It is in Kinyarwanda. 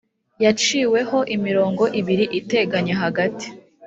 yaciweho imirongo ibiri iteganye hagati